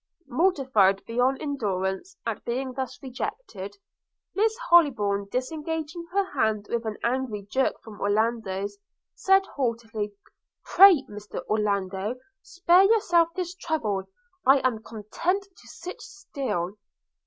Mortified beyond endurance at being thus rejected, Miss Hollybourn, disengaging her hand with an angry jerk from Orlando's said haughtily – 'Pray, Mr Orlando, spare yourself this trouble; I am content to sit still.'